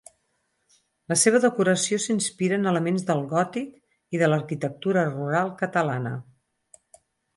La seva decoració s'inspira en elements del gòtic i de l'arquitectura rural catalana.